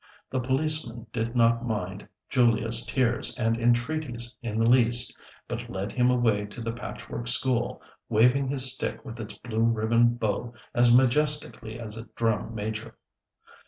The policeman did not mind Julia's tears and entreaties in the least, but led him away to the Patchwork School, waving his stick with its blue ribbon bow as majestically as a drum major.